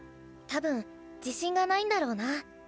多分自信がないんだろうな。